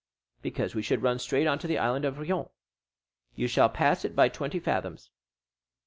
"Because we should run straight on to the Island of Rion." "You shall pass it by twenty fathoms."